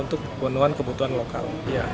untuk penuhan kebutuhan lokal